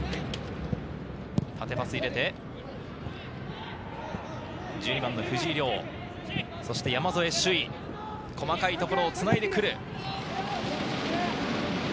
縦パス入れて、１２番・藤井瞭、山副朱生、細かいところをつないでくる。